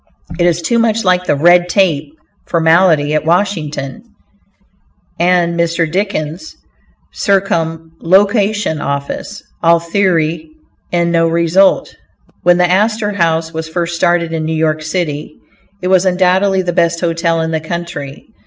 It is too much like the "red tape" formality at Washington, and Mr. Dickens' "Circumlocution Office," all theory and no result. When the "Astor House" was first started in New York city, it was undoubtedly the best hotel in the country.